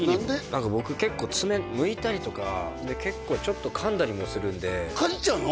何か僕結構爪むいたりとか結構ちょっと噛んだりもするんでかじっちゃうの？